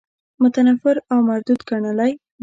متنفر او مردود ګڼلی.